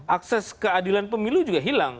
akses keadilan pemilu juga hilang